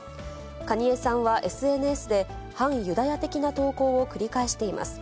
カニエさんはＳＮＳで、反ユダヤ的な投稿を繰り返しています。